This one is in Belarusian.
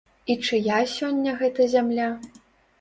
І чыя сёння гэта зямля?